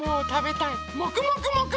もくもくもく。